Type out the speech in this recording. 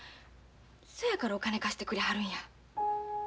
そやからお金貸してくれはるんや。